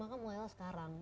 maka mulailah sekarang